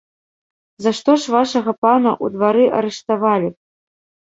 За што ж вашага пана ў двары арыштавалі б?